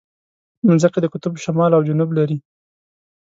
مځکه د قطب شمال او جنوب لري.